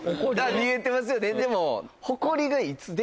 見えてますよねでも。